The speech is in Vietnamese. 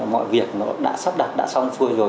mọi việc nó đã sắp đặt đã xong rồi